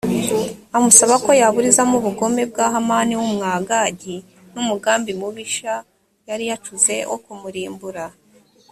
amusaba ko yaburizamo ubugome bwa hamani w’umwagagi n’umugambi mubisha yari yacuze wo kumurimbura